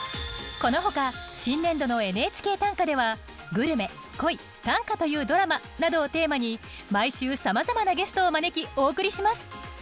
このほか新年度の「ＮＨＫ短歌」では「グルメ」「恋」「短歌というドラマ」などをテーマに毎週さまざまなゲストを招きお送りします。